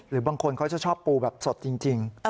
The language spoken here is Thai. บางคนเขาจะชอบปูแบบสดจริง